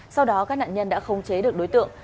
sau đó các nạn nhân đã không chế được đối tượng